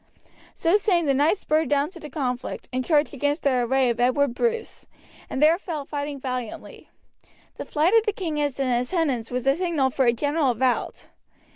So saying, the knight spurred down to the conflict, and charged against the array of Edward Bruce, and there fell fighting valiantly. The flight of the king and his attendants was the signal for a general rout.